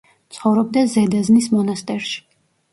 ცხოვრობდა ზედაზნის მონასტერში.